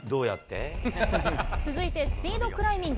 続いてスピードクライミング。